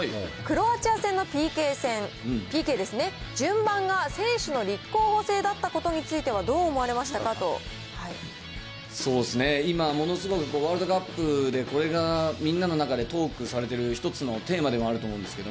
クロアチア戦のＰＫ戦、ＰＫですね、順番が選手の立候補制だったことについてはどう思われましたかとそうですね、今ものすごくワールドカップで、これがみんなの中でトークされてる一つのテーマでもあると思うんですけど。